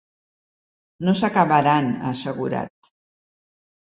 No s’acabaran, ha assegurat.